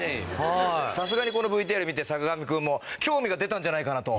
さすがにこのＶＴＲ見て坂上くんも興味が出たんじゃないかなと。